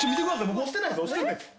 僕押してないです押してないです。